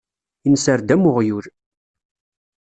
Inser-d am uɣyul.